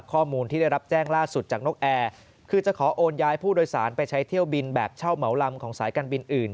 ข้อมูลที่ได้รับแจ้งล่าสุดจากนกแอร์คือจะขอโอนย้ายผู้โดยสารไปใช้เที่ยวบินแบบเช่าเหมาลำของสายการบินอื่น